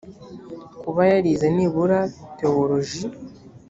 kuba yarize nibura tewologi